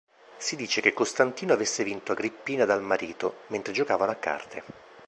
Si dice che Costantino avesse vinto Agrippina dal marito, mentre giocavano a carte.